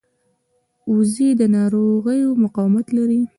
وزې د ناروغیو مقاومت لري